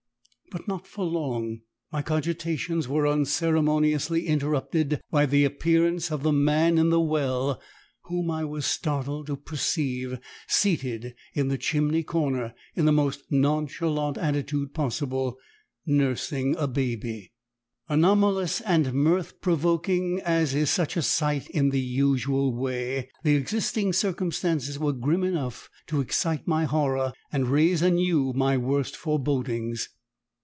But not for long. My cogitations were unceremoniously interrupted by the appearance of the man in the well, whom I was startled to perceive seated in the chimney corner in the most nonchalant attitude possible nursing a baby! Anomalous and mirth provoking as is such a sight in the usual way, the existing circumstances were grim enough to excite my horror and raise anew my worst forebodings.